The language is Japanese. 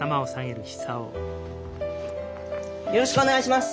よろしくお願いします。